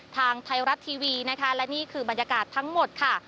ทางไทยรัฐทีวีนะคะและนี่คือบรรยากาศทั้งหมดค่ะ